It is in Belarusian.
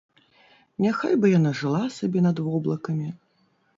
Няхай бы яна жыла сабе над воблакамі.